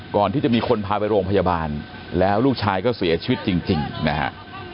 ก่อนที่จะมีคนพาไปโรงพยาบาลแล้วลูกชายก็เสียชีวิตจริงนะฮะ